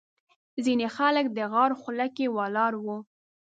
ځینې خلک د غار خوله کې ولاړ وو.